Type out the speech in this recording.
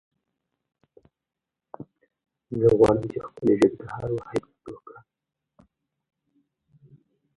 He finished tenth in points.